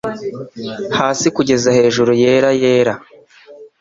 Hasi kugeza hejuru yera yera,